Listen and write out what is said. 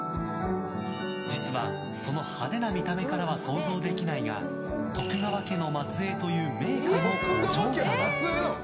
実はその派手な見た目からは想像できないが徳川家の末裔という名家のお嬢様。